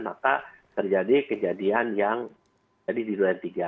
maka terjadi kejadian yang jadi di duran tiga